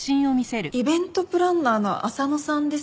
イベントプランナーの浅野さんですよね。